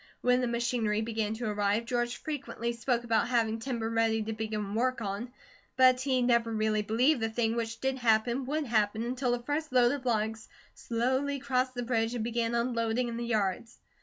When the machinery began to arrive, George frequently spoke about having timber ready to begin work on, but he never really believed the thing which did happen, would happen, until the first load of logs slowly crossed the bridge and began unloading in the yards.